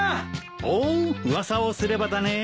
おっ噂をすればだね。